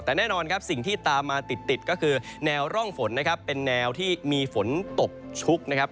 แต่แน่นอนครับสิ่งที่ตามมาติดติดก็คือแนวร่องฝนนะครับเป็นแนวที่มีฝนตกชุกนะครับ